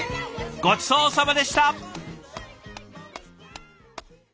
ごちそうさまでした。